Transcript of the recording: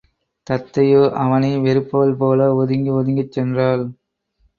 தத்தையோ அவனை வெறுப்பவள் போல ஒதுங்கி ஒதுங்கிச் சென்றாள்.